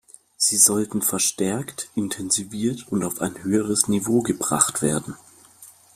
Sie sollten verstärkt, intensiviert und auf ein höheres Niveau gebracht werden.